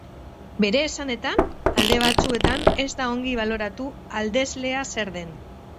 Bere esanetan, alde batzuetan ez da ongi baloratu aldezlea zer den.